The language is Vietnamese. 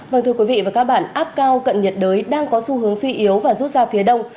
vâng thưa quý vị và các bạn áp cao cận nhiệt đới đang có xu hướng suy yếu và rút ra phía đông